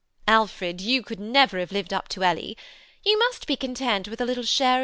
Alfred, you could never have lived up to Ellie. You must be content with a little share of me.